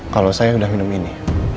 kalau saya sudah minum ini